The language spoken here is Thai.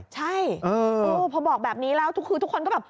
ใช่พอบอกแบบนี้แล้วทุกคืนทุกคนก็แบบ